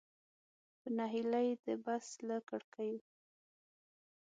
په نهیلۍ د بس له کړکیو.